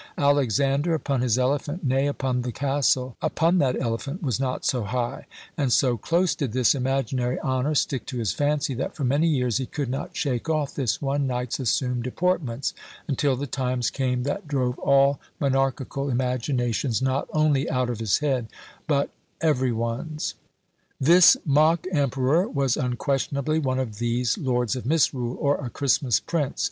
Alexander upon his elephant, nay, upon the castle upon that elephant, was not so high; and so close did this imaginary honour stick to his fancy, that for many years he could not shake off this one night's assumed deportments, until the times came that drove all monarchical imaginations not only out of his head, but every one's." This mock "emperor" was unquestionably one of these "Lords of Misrule," or "a Christmas Prince."